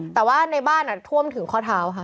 แต่ว่าในบ้านท่วมถึงข้อเท้าค่ะ